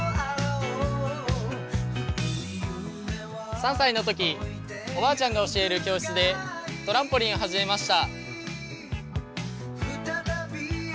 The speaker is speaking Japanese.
３歳のとき、おばあちゃんが教える教室でトランポリンを始めました。